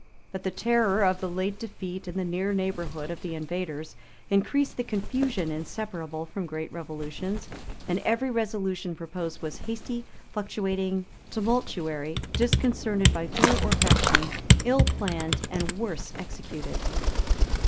[*] But the terror of the late defeat, and the near neighborhood of the invaders, increased the confusion inseparable from great revolutions; and every resolution proposed was hasty, fluctuating, tumultuary; disconcerted by fear or faction; ill planned, and worse executed.